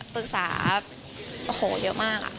ปรึกษาเยอะมาก